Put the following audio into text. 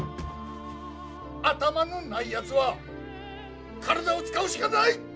頭のないやつは体を使うしかない！